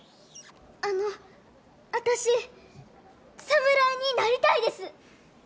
あの私侍になりたいです！